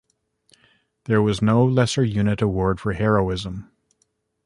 There was no lesser unit award for heroism.